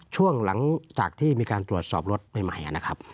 ช่วงหลังจากที่มีการตรวจสอบรถใหม่นะครับ